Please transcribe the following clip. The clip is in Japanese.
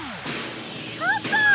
あった！